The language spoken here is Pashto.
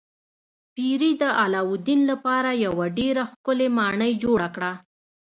پیري د علاوالدین لپاره یوه ډیره ښکلې ماڼۍ جوړه کړه.